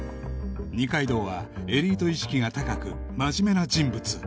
二階堂はエリート意識が高く真面目な人物